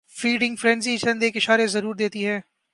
feeding frenzy چند ایک اشارے ضرور دیتی ہے